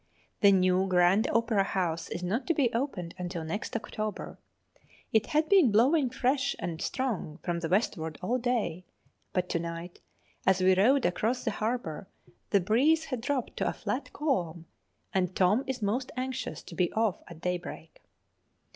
The new Grand Opera House is not to be opened until next October. It had been blowing fresh and strong from the westward all day, but to night, as we rowed across the harbour, the breeze had dropped to a flat calm, and Tom is most anxious to be off at daybreak.